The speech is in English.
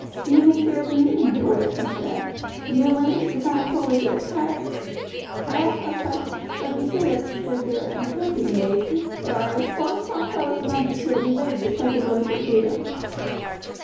"Methinks there is meaning in your words," he said, "and your language does not accord with your attire. I ask no questions; but be sure that should an attempt be made, there are a score of strong fellows among us who will be ready to strike a blow for freedom."